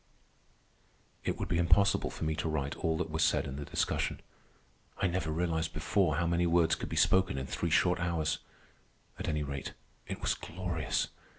It would be impossible for me to write all that was said in the discussion. I never realized before how many words could be spoken in three short hours. At any rate, it was glorious.